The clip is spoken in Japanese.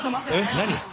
何？